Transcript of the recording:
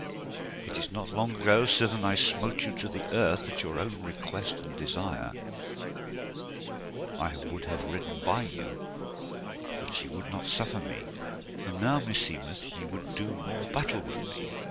It is not long ago sithen I smote you to the earth at your own request and desire: I would have ridden by you, but ye would not suffer me, and now meseemeth ye would do more battle with me.